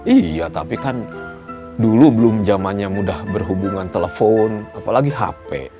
iya tapi kan dulu belum zamannya mudah berhubungan telepon apalagi hp